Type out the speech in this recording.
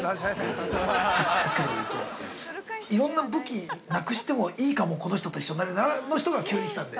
どっちかというと、いろんな武器なくしてもいいかもこの人と一緒になれるなら、の人が急に来たんで。